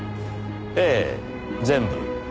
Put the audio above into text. ええ全部。